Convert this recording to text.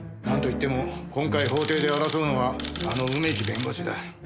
なんといっても今回法廷で争うのはあの梅木弁護士だ。